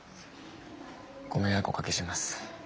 ご迷惑おかけします。